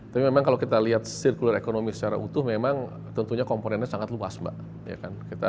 tapi memang kalau kita lihat circular economy secara utuh memang tentunya komponennya sangat luas mbak